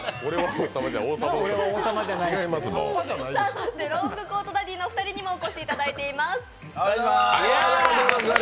そしてロングコートダディのお二人にもお越しいただいています。